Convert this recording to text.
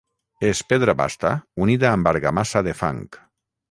És pedra basta unida amb argamassa de fang.